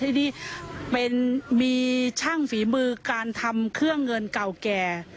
ทีนี้มีช่างฝีมือการทำเครื่องเงินเก่าแก่